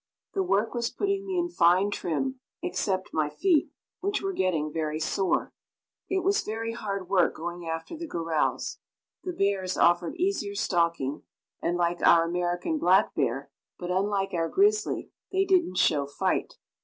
The work was putting me in fine trim, except my feet, which were getting very sore. It was very hard work going after the gorals. The bears offered easier stalking, and, like our American black bear but unlike our grizzly, they didn't show fight.